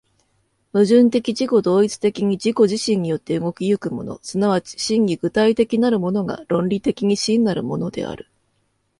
矛盾的自己同一的に自己自身によって動き行くもの、即ち真に具体的なるものが、論理的に真なるものである。